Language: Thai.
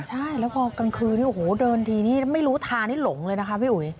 ใช่แล้วพอกลางคืนโอ้โหเดินทีนี้ไม่รู้ทานี่หลงเลยนะคะพี่อุ๋ย